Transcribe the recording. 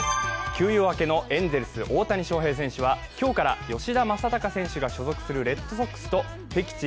休養明けのエンゼルス・大谷翔平選手は今日から吉田正尚選手が所属するレッドソックスと敵地